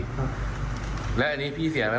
แล้วอันนี้พี่เสียไปความรู้สึกหรือเป็นอย่างไรบ้าง